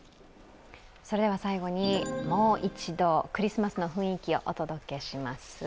最後にもう一度、クリスマスの雰囲気をお届けします。